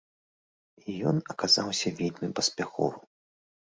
І ён аказаўся вельмі паспяховым.